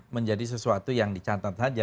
menjadi sesuatu yang dicatat saja